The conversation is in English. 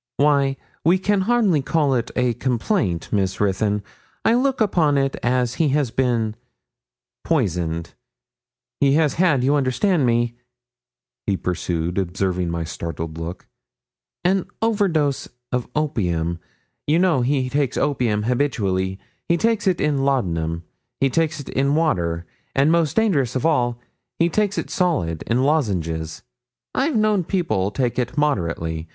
'Why, we can hardly call it a complaint, Miss Ruthyn. I look upon it he has been poisoned he has had, you understand me,' he pursued, observing my startled look, 'an overdose of opium; you know he takes opium habitually; he takes it in laudanum, he takes it in water, and, most dangerous of all, he takes it solid, in lozenges. I've known people take it moderately.